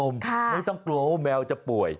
แมวจะป่วย